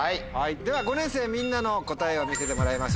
では５年生みんなの答えを見せてもらいましょう。